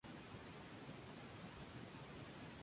Miembro de la Real Academia de Ciencias Morales.